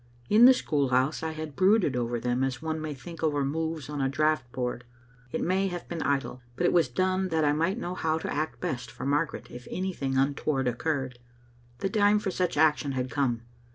In the school house I had brooded over them as one may think over moves on a draught board. It may have been idle, but it was done that I might know how to act best for Margaret if any thing untoward occurred. The time for such action had come.